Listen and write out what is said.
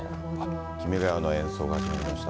君が代の演奏が始まりました。